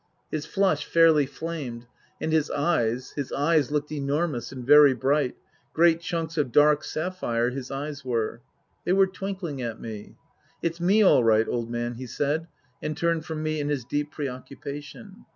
His flush fairly flamed, and his eyes, his eyes looked enormous and very bright great chunks of dark sapphire his eyes were. They were twinkling at me. " It's me all right, old man," he said, and turned from me in his deep preoccupation.